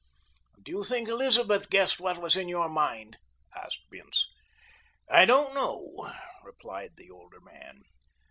"Do you think Elizabeth guessed what was in your mind?" asked Bince. "I don't know," replied the older man.